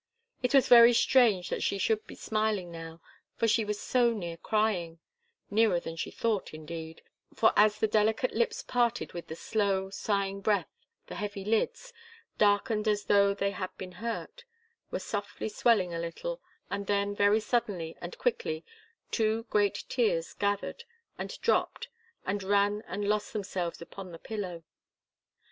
It was very strange that she should be smiling now for she was so near crying nearer than she thought, indeed, for as the delicate lips parted with the slow, sighing breath, the heavy lids darkened as though they had been hurt were softly swelling a little, and then very suddenly and quickly two great tears gathered and dropped and ran and lost themselves upon the pillow.